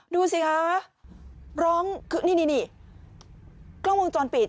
ดูสิคะร้องคือนี่นี่กล้องวงจรปิด